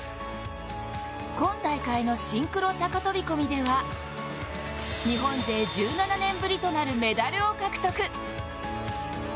今大会のシンクロ高飛び込みでは日本勢１７年ぶりとなるメダルを獲得。